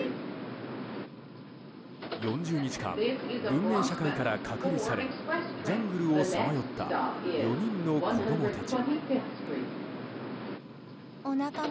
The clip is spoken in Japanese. ４０日間文明社会から隔離されジャングルをさまよった４人の子供たち。